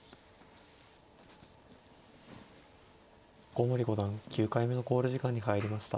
古森五段９回目の考慮時間に入りました。